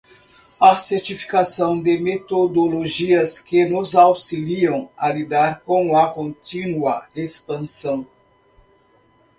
A certificação de metodologias que nos auxiliam a lidar com a contínua expansão